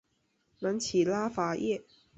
南起拉法叶。